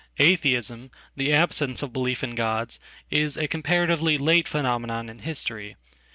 Atheism, the absence of belief in gods, is a comparatively late phenomenon in history.